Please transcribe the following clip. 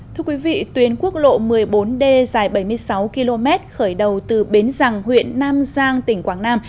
thưa quý vị tuyến quốc lộ một mươi bốn d dài bảy mươi sáu km khởi đầu từ bến rằng huyện nam giang tỉnh quảng nam